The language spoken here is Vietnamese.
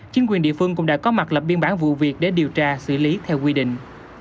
chính quyền địa phương cũng đã có mặt lập biên bản vụ việc để điều tra xử lý theo quy định